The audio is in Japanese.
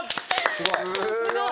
すごい！